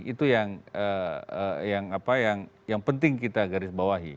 itu yang penting kita garis bawahi